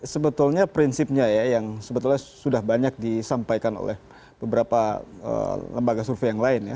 sebetulnya prinsipnya ya yang sebetulnya sudah banyak disampaikan oleh beberapa lembaga survei yang lain ya